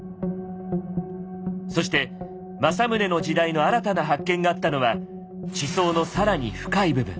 そして政宗の時代の新たな発見があったのは地層の更に深い部分。